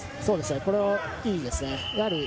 これはいいですね。